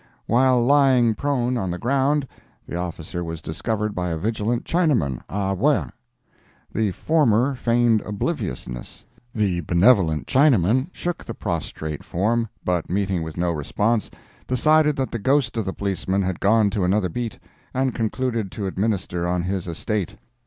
While lying prone on the ground, the officer was discovered by a vigilant Chinaman, Ah Wah. The former feigned obliviousness. The benevolent Chinaman shook the prostrate form, but meeting with no response, decided that the ghost of the policeman had gone to another beat, and concluded to administer on his estate.